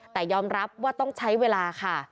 แต่ยอมรับว่าต้องใช้เวลาค่ะ